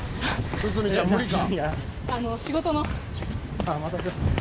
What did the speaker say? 「堤ちゃん無理か？」